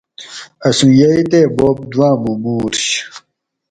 اسوں یئ تے بوب دوامو مُورش